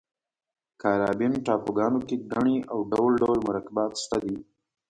کارابین ټاپوګانو کې ګني او ډول ډول مرکبات شته دي.